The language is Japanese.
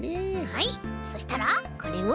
はいそしたらこれを。